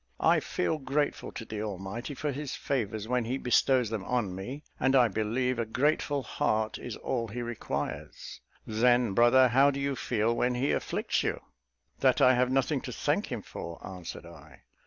I feel grateful to the Almighty for his favours when he bestows them on me; and I believe a grateful heart is all he requires." "Then, brother, how do you feel when he afflicts you?" "That I have nothing to thank him for," answered I.